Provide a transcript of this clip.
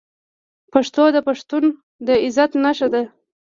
پښتو د پښتون د عزت نښه ده.